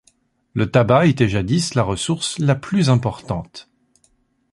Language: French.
Le tabac était jadis la ressource la plus importante.